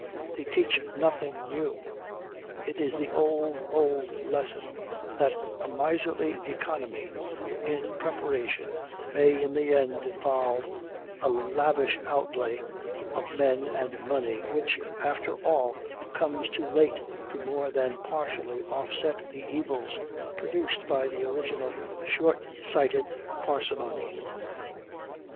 They teach nothing new; it is the old, old lesson, that a miserly economy in preparation may in the end involve a lavish outlay of men and money, which, after all, comes too late to more than partially offset the evils produced by the original short sighted parsimony.